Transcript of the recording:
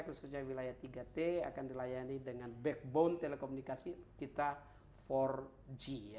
khususnya wilayah tiga t akan dilayani dengan backbone telekomunikasi kita empat g ya